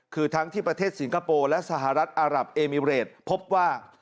คือทั้งที่ประเทศสิงคโปร์และสหรัฐอารับเอมิเรตพบว่า